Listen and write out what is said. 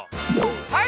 はい！